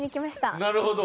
なるほど。